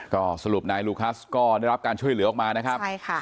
ก็สรุปนายลูคัสก็ได้รับการช่วยเหลือออกมานะครับใช่ค่ะ